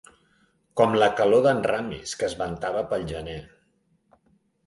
Com la calor d'en Ramis, que es ventava pel gener.